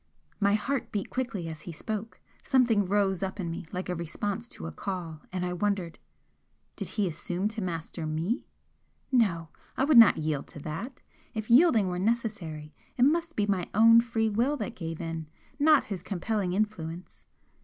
My heart beat quickly as he spoke; something rose up in me like a response to a call, and I wondered Did he assume to master ME? No! I would not yield to that! If yielding were necessary, it must be my own free will that gave in, not his compelling influence!